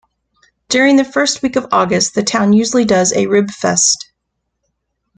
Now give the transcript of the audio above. During the first week of August the town usually does a rib fest.